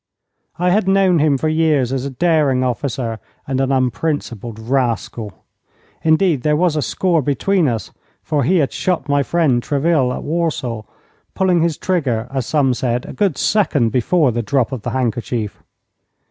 I had known him for years as a daring officer and an unprincipled rascal. Indeed, there was a score between us, for he had shot my friend, Treville, at Warsaw, pulling his trigger, as some said, a good second before the drop of the handkerchief.